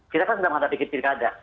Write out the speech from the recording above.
kita kan sedang menghadapi pilkada